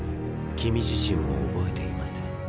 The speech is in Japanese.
君自身も覚えていません。